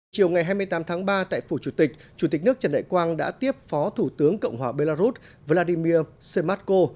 chiều ngày hai mươi tám tháng ba tại phủ chủ tịch chủ tịch nước trần đại quang đã tiếp phó thủ tướng cộng hòa belarus vladimir sematko